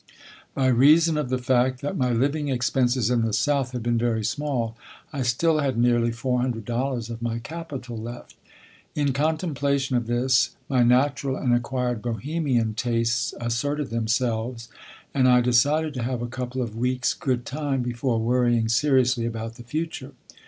By reason of the fact that my living expenses in the South had been very small, I still had nearly four hundred dollars of my capital left. In contemplation of this, my natural and acquired Bohemian tastes asserted themselves, and I decided to have a couple of weeks' good time before worrying seriously about the future.